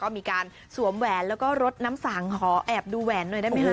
มีการสวมแวร์นแล้วก็ลดน้ำสางขอแอบดูแวร์นด้วยได้ไหมฮะ